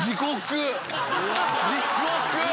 地獄。